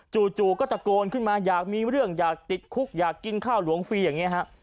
จู่ก็ตะโกนขึ้นมาอยากมีเรื่องอยากติดคุกอยากกินข้าวหลวงฟรีอย่างนี้ฮะ